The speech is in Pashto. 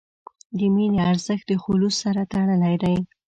د مینې ارزښت د خلوص سره تړلی دی.